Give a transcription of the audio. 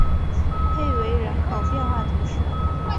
佩维人口变化图示